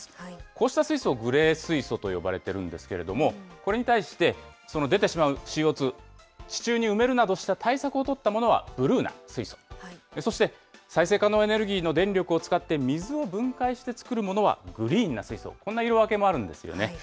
こうした水素、グレー水素と呼ばれているんですけれども、これに対して、出てしまうＣＯ２、地中に埋めるなどした対策を取ったものはブルーな水素、そして再生可能エネルギーの電力を使って水を分解して作るものはグリーンな水素、こんな色分けもあるんですよね。